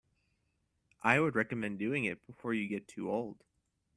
I would recommend doing it before you get too old.